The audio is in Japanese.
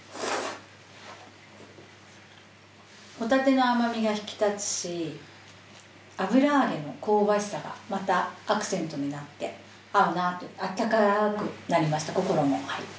ホタテの甘みが引き立つし油揚げの香ばしさがまたアクセントになって合うなってあったかくなりました心も。